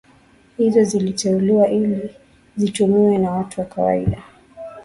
hizo ziliteuliwa ili zitumiwe na watu wa kawaida